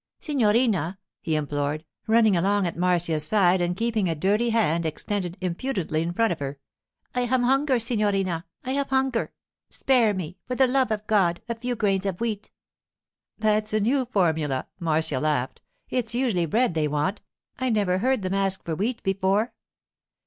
'Signorina,' he implored, running along at Marcia's side and keeping a dirty hand extended impudently in front of her, 'I have hunger, signorina; I have hunger. Spare me, for the love of God, a few grains of wheat.' 'That's a new formula,' Marcia laughed. 'It's usually bread they want; I never heard them ask for wheat before.